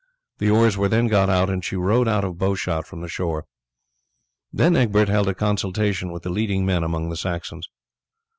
The oars were then got out and she rowed out of bow shot from the shore. Then Egbert held a consultation with the leading men among the Saxons.